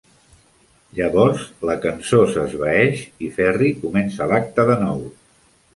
Llavors la cançó s'esvaeix i Ferry comença l'acte de nou.